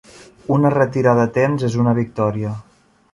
Una retirada a temps és una victòria.